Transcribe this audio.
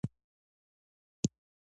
ليکوال په دې سفر کې روزګان له پوهنتون،